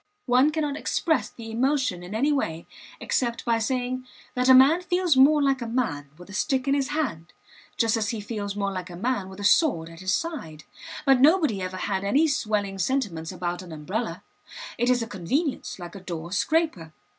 One cannot express the emotion in any way except by saying that a man feels more like a man with a stick in his hand, just as he feels more like a man with a sword at his side. But nobody ever had any swelling sentiments about an umbrella; it is a convenience, like a door scraper.